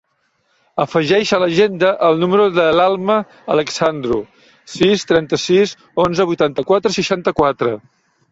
Afegeix a l'agenda el número de l'Alma Alexandru: sis, trenta-sis, onze, vuitanta-quatre, seixanta-quatre.